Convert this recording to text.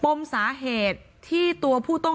หนูจะให้เขาเซอร์ไพรส์ว่าหนูเก่ง